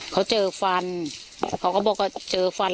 เขาเจอฟันเขาก็บอกว่าเจอฟัน